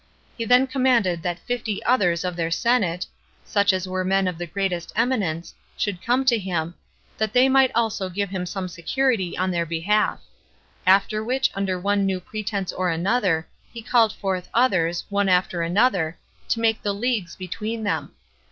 He then commanded that fifty others of their senate, such as were men of the greatest eminence, should come to him, that they also might give him some security on their behalf. After which, under one new pretense or another, he called forth others, one after another, to make the leagues between them.